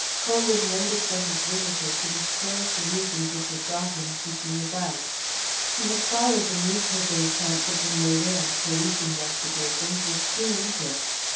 Colwyn waited for his visitor to disclose the reasons which had brought him, seeking advice. He had followed the newspaper accounts of the murder and police investigations with keen interest.